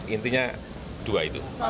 intinya dua itu